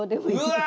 うわ！